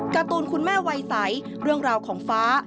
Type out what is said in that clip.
การ์ตูนคุณแม่วัยใสเรื่องราวของฟ้า